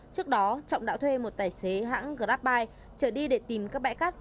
trước đó trọng đã thuê một tài xế hãng grabbike trở đi để tìm các bãi cắt